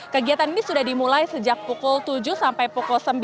kegiatan ini sudah dimulai sejak pukul tujuh sampai pukul sembilan